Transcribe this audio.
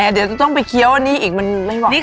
เมตต์ต้องเคี้ยวอันนี้อีกมันไม่หวัง